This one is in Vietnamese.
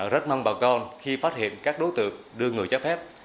rất mong bà con khi phát hiện các đối tượng đưa người trái phép